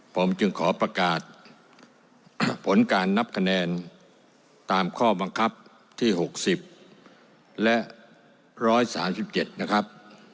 ผมจึงขอประกาศผลการนับคะแนนตามข้อบังคับที่หกสิบและร้อยสามสิบเจ็ดนะครับ